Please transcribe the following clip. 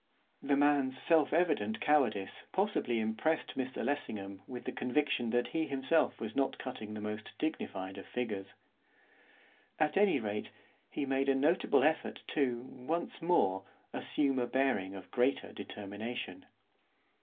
The man's self evident cowardice possibly impressed Mr Lessingham with the conviction that he himself was not cutting the most dignified of figures. At any rate, he made a notable effort to, once more, assume a bearing of greater determination.